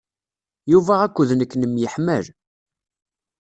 Yuba akked nekk nemyeḥmal.